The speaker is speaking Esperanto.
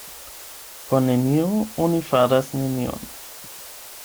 Por nenio oni faras nenion.